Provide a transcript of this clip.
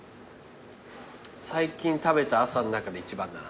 最近食べた朝ん中で一番だな。